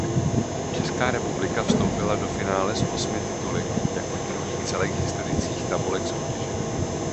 Česká republika vstoupila do finále s osmi tituly jako druhý celek historických tabulek soutěže.